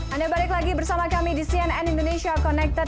anda balik lagi bersama kami di cnn indonesia connected